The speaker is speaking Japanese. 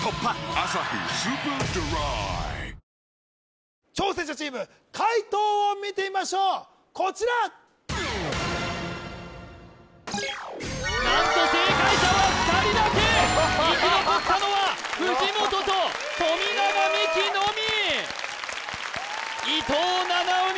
「アサヒスーパードライ」挑戦者チーム解答を見てみましょうこちら何と正解者は２人だけ生き残ったのは藤本と富永美樹のみ！